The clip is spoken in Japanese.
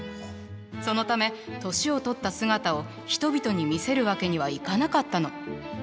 そのため年を取った姿を人々に見せるわけにはいかなかったの。